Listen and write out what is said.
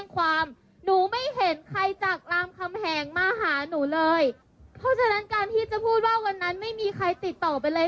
การที่จะพูดว่าวันนั้นไม่มีใครติดต่อไปเลย